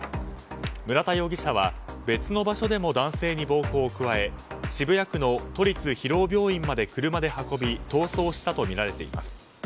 村田容疑者は別の場所でも男性に暴行を加え渋谷区の都立広尾病院まで車で運び逃走したとみられています。